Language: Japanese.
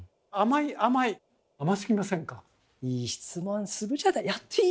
いい質問するじゃない。